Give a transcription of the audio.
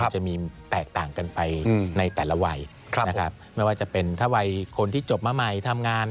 จะมีแตกต่างกันไปในแต่ละวัยนะครับไม่ว่าจะเป็นถ้าวัยคนที่จบมาใหม่ทำงาน